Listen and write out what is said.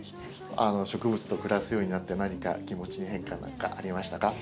植物と暮らすようになって何か気持ちの変化なんかありましたか？